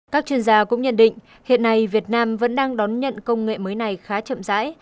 các chuyên gia cũng nhận định hiện nay việt nam vẫn đang đón nhận công nghệ mới này khá chậm rãi